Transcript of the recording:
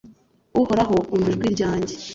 uhoraho, umva ijwi ryanjye